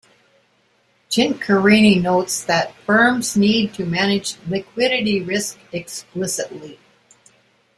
Chincarini notes that firms need to manage liquidity risk explicitly.